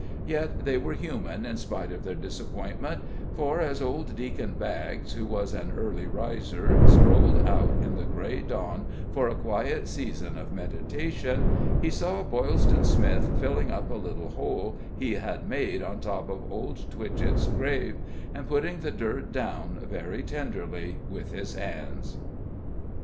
Yet they were human in spite of their disappointment, for, as old Deacon Baggs, who was an early riser, strolled out in the gray dawn for a quiet season of meditation, he saw Boylston Smith filling up a little hole he had made on top of Old Twitchett's grave, and putting the dirt down very tenderly with his hands.